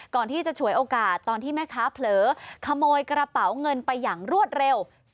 ก่อนที่จะฉวยโอกาสตอนที่แม่ค้าเผลอขโมยกระเป๋าเงินไปอย่างรวดเร็ว